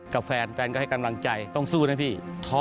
กับแฟนแฟนก็ให้กำลังใจต้องสู้นะพี่ท้อ